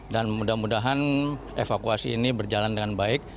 dan mudah mudahan evakuasi ini berjalan dengan baik